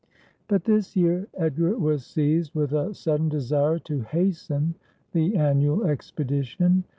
But this year Edgar was seized with a sudden desire to hasten the annual expedition.